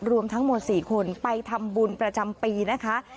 รวมทั้งหมด๔คนไปทำบุญประจำปีนะคะ